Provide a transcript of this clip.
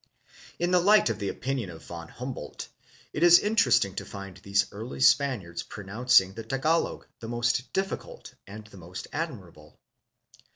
In the light of the opinion of Von Humboldt, it is in teresting to find these early Spaniards pronouncing the Tagalog the most difficult and the most admirable.